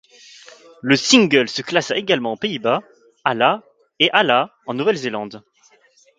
Le single se classa également aux Pays-Bas à la et à la en Nouvelle-Zélande.